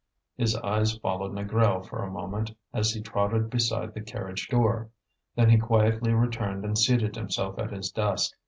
His eyes followed Négrel for a moment, as he trotted beside the carriage door. Then he quietly returned and seated himself at his desk.